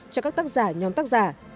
cho các tác giả nhóm tác giả